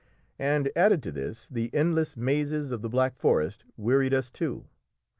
And added to this the endless mazes of the Black Forest wearied us too.